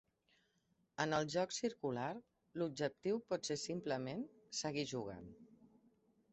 En el joc circular, l'objectiu pot ser simplement seguir jugant.